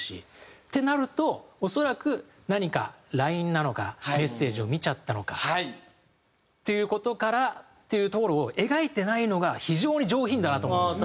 ってなると恐らく何かＬＩＮＥなのかメッセージを見ちゃったのかっていう事からっていうところを描いてないのが非常に上品だなと思うんですよ。